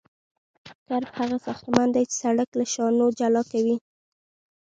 کرب هغه ساختمان دی چې سرک له شانو جلا کوي